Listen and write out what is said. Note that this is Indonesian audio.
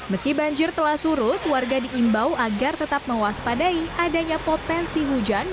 meski banjir telah surut warga diimbau agar tetap mewaspadai adanya potensi hujan